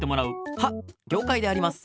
はっりょうかいであります。